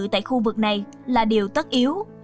tại khu vực này là điều tất yếu